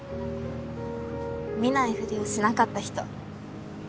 見ないふりをしなかった人。